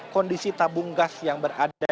kondisi tabung gas yang berada